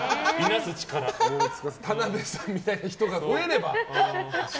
田辺さんみたいな人が増えれば。